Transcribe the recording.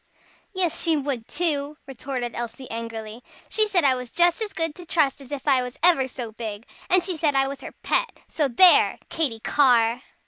"Yes she would too," retorted Elsie angrily. "She said I was just as good to trust as if I was ever so big. And she said I was her pet. So there! Katy Carr!"